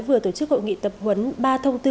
vừa tổ chức hội nghị tập huấn ba thông tư